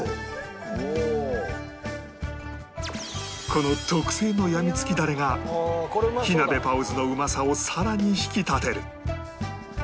この特製のやみつきダレが火鍋パオズのうまさをさらに引き立てる